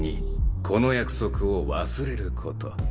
２この約束を忘れること。